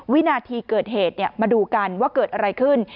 วินาทีเกิดเหตุมาดูกันว่าเกิดอะไรขึ้น